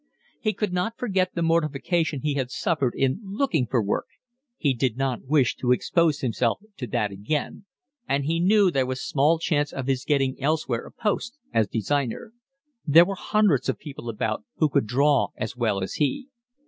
He could not forget the mortification he had suffered in looking for work, he did not wish to expose himself to that again, and he knew there was small chance of his getting elsewhere a post as designer: there were hundreds of people about who could draw as well as he.